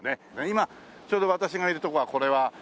今ちょうど私がいる所がこれは。